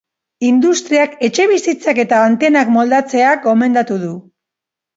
Industriak etxebizitzak eta antenak moldatzea gomendatu du.